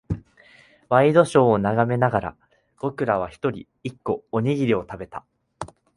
ワイドショーを眺めながら、僕らは一人、一個、おにぎりを食べた。